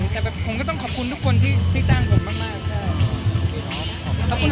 แต่ผมก็ต้องขอบคุณทุกคนที่จ้างผมมากใช่